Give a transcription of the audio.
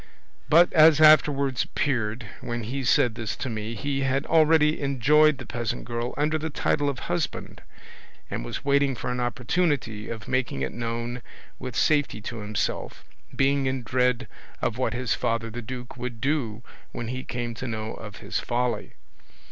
But, as afterwards appeared, when he said this to me he had already enjoyed the peasant girl under the title of husband, and was waiting for an opportunity of making it known with safety to himself, being in dread of what his father the duke would do when he came to know of his folly.